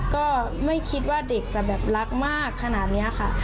ก็ไม่คิดว่าเด็กจะแบบรักมากขนาดนี้ค่ะ